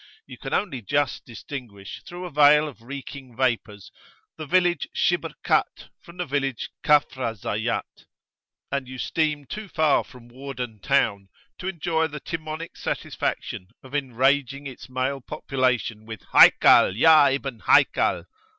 You can only just distinguish through a veil of reeking vapours the village Shibr Katt from the village Kafr al Zayyat, and you steam too far from Wardan town to enjoy the Timonic satisfaction of enraging its male population with "Haykal! ya ibn Haykal!